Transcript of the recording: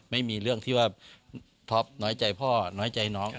ไม่มีเรื่องที่ว่าท็อปน้อยใจพ่อน้อยใจน้อง